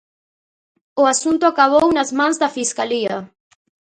O asunto acabou nas mans da Fiscalía.